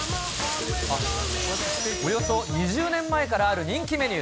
およそ２０年前からある人気メニュー。